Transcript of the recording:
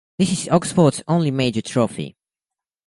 This is Oxford's only major trophy.